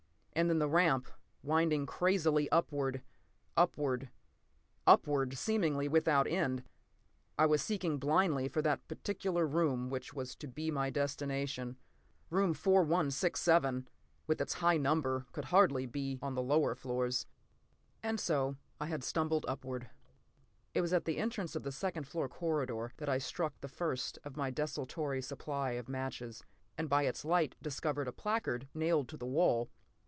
p> And then the ramp, winding crazily upward—upward—upward, seemingly without end. I was seeking blindly for that particular room which was to be my destination. Room 4167, with its high number, could hardly be on the lower floors, and so I had stumbled upward.... It was at the entrance of the second floor corridor that I struck the first of my desultory supply of matches, and by its light discovered a placard nailed to the wall.